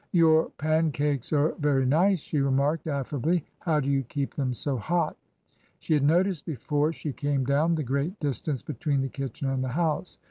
Your pancakes are very nice," she remarked affably. How do you keep them so hot? " She had noticed before she came down the great dis tance between the kitchen and the house.